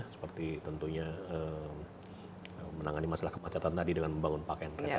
seperti tentunya menangani masalah kemacetan tadi dengan membangun pakaian kereta